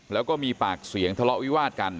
แล้วก็มีปากเสียงทะเลาะวิวาดกัน